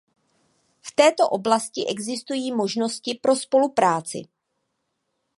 V této oblasti existují možnosti pro spolupráci.